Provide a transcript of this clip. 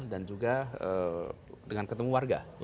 dan juga dengan ketemu warga